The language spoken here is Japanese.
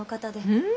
うん。